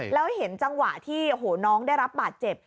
แล้วเห็นจังหวะที่น้องได้รับบาดเจ็บ